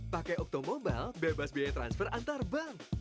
pake oktomobile bebas biaya transfer antar bank